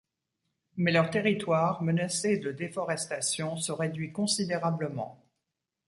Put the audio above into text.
Mais leur territoire, menacé de déforestation, se réduit considérablement.